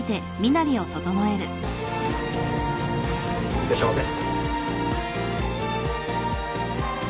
いらっしゃいませ。